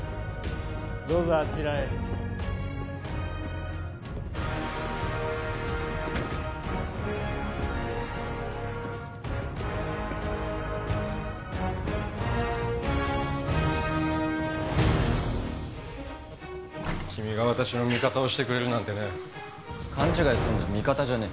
どうぞあちらへ君が私の味方をしてくれるなんてね勘違いすんな味方じゃねえ